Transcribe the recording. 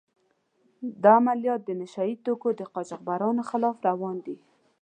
دا عملیات د نشه يي توکو د قاچاقچیانو خلاف روان دي.